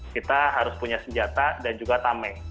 kita harus punya senjata dan juga tameng